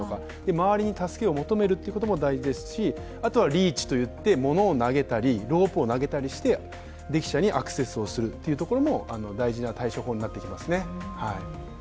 周りに助けを求めることも大切ですし、あとはリーチといって物を投げたりロープを投げたりして、溺者にアクセスをするのも大事な対処法になってきますね。